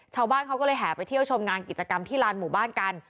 ชาวบ้านเขาก็เลยแห่ไปเที่ยวชมงานกิจกรรมที่ลานหมู่บ้านกัน